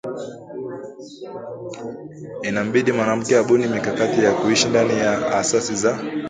inambidi mwanamke abuni mikakati ya kuishi ndani ya asasi za